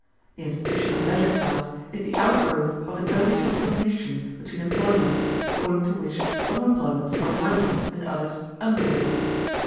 The institution of leisure class is the outgrowth of an early discrimination between employments, according to which some employments are worthy and others unworthy.